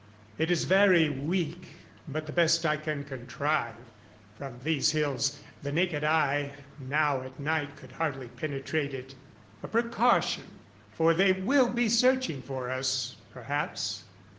It is very weak, but the best I can contrive. From these hills the naked eye, now at night could hardly penetrate it.... A precaution, for they will be searching for us perhaps....